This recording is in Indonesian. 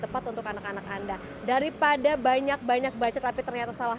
tepat untuk anak anak anda daripada banyak banyak baca tapi ternyata salah